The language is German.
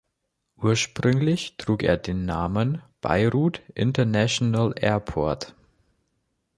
Ursprünglich trug er den Namen Beirut International Airport.